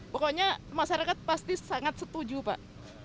pokoknya masyarakat pasti sangat setuju pak